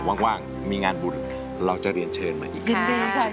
ว่างมีงานบุญเราจะเรียนเชิญมาอีกที